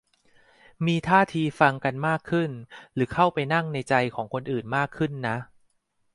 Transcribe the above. มีท่าทีฟังกันมากขึ้น หรือเข้าไปนั่งในใจของคนอื่นมากขึ้นนะ